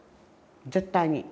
絶対に。